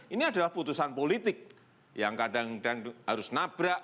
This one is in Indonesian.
ini adalah putusan politik yang kadang kadang harus nabrak